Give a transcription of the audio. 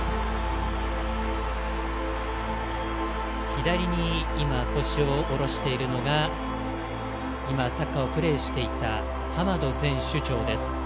左に今腰を下ろしているのがサッカーをプレーしていたハマド前首長です。